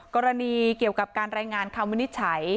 กรณีเกี่ยวกับการรายงานคำวินิจฉัย